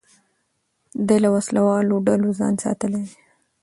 ده له وسلهوالو ډلو ځان ساتلی دی.